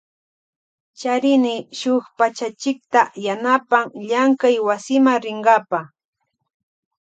Charini shuk pachachikta yanapan llankay wasima rinkapa.